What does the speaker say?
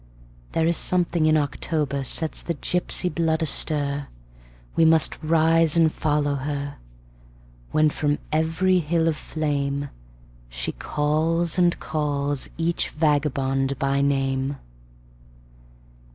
There is something in October sets the gypsy blood astir; We must rise and follow her, When from every hill of flameShe calls and calls each vagabond by name.